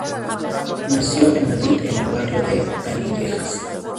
Nació en Madrid, en el barrio de Canillejas.